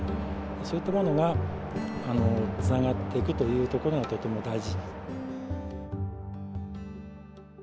そういったものがつながっていくということがとても大事。